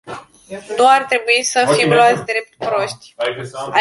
Nu ar trebui să fim luați drept proști.